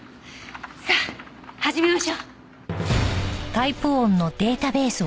さあ始めましょう。